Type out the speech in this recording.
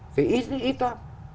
thì ít đó